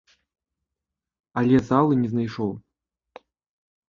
Але залы не знайшоў.